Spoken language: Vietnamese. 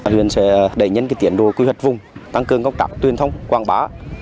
huyện sẽ đẩy nhấn tiến đồ quy hoạch vùng tăng cường các tuyên thông quảng bá